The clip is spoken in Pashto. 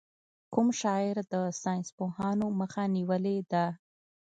کوم شاعر د ساینسپوهانو مخه نېولې ده.